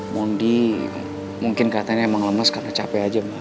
mondi mungkin katanya emang lemes karena capek aja